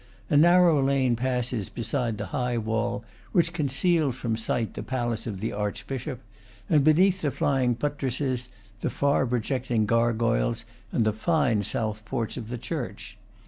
A narrow lane passes beside the high wall which conceals from sight the palace of the archbishop, and beneath the flying buttresses, the far projecting gargoyles, and the fine south porch of the church.